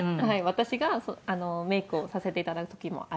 私がメイクをさせていただく時もあります。